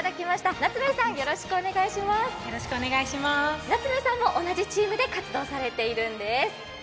夏夢さんも同じチームで活動されているんです。